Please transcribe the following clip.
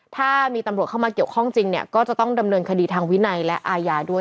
ถ้ามีตำรวจเข้ามาเกี่ยวข้องจริงเนี่ยก็จะต้องดำเนินคดีทางวินัยและอาญาด้วย